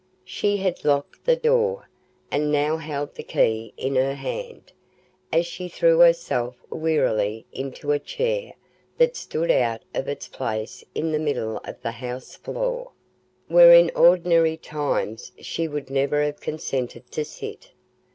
She had locked the door, and now held the key in her hand, as she threw herself wearily into a chair that stood out of its place in the middle of the house floor, where in ordinary times she would never have consented to sit.